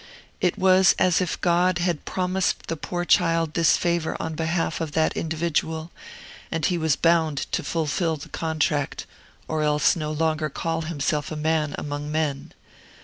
It was as if God had promised the poor child this favor on behalf of that individual, and he was bound to fulfil the contract, or else no longer call himself a man among men.